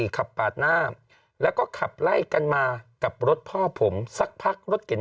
ขับปาดหน้าแล้วก็ขับไล่กันมากับรถพ่อผมสักพักรถเก่ง